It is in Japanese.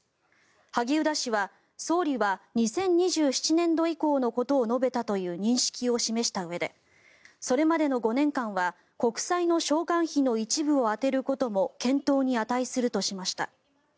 萩生田氏は、総理は２０２７年度以降のことを述べたという認識を示したうえでそれまでの５年間は国債の償還費の一部を充てることも検討に値するとしました。